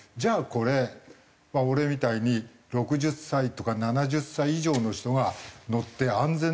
これまあ俺みたいに６０歳とか７０歳以上の人が乗って安全ですか？